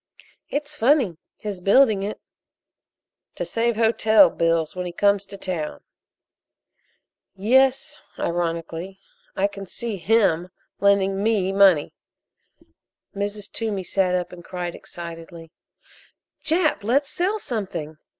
"It's funny his building it." "To save hotel bills when he comes to town. Yes," ironically, "I can see him lending me money." Mrs. Toomey sat up and cried excitedly: "Jap, let's sell something!